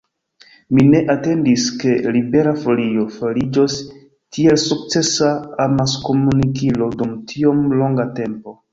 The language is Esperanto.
Mi ne atendis, ke Libera Folio fariĝos tiel sukcesa amaskomunikilo dum tiom longa tempo.